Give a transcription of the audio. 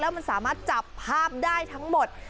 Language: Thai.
มันสามารถจับภาพได้ทั้งหมด